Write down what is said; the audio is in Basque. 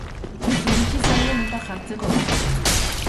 Iritsi zaie notak jartzeko garaia.